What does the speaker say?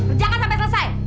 kerjakan sampai selesai